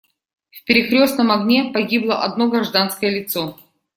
В перекрёстном огне погибло одно гражданское лицо.